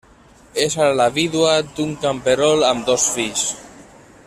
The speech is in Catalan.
És ara la vídua d'un camperol amb dos fills.